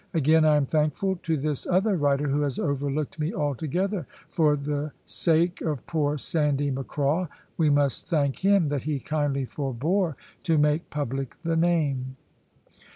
Again, I am thankful to this other writer, who has overlooked me altogether. For the sake of poor Sandy Macraw, we must thank him that he kindly forbore to make public the name."